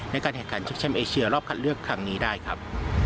ในการแข่งขันชุดแชมป์เอเชียรอบคัดเลือกครั้งนี้ได้ครับ